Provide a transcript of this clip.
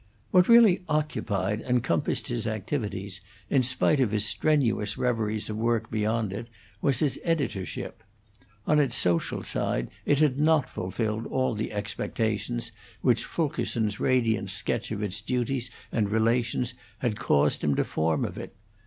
What really occupied and compassed his activities, in spite of his strenuous reveries of work beyond it, was his editorship. On its social side it had not fulfilled all the expectations which Fulkerson's radiant sketch of its duties and relations had caused him to form of it.